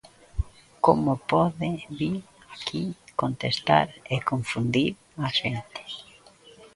¿Como pode vir aquí contestar e confundir a xente?